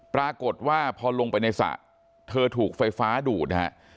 ปรากฏว่าพอลงไปในสระเธอถูกไฟฟ้าดูดนะฮะ